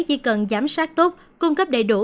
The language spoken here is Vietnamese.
chỉ cần giám sát tốt cung cấp đầy đủ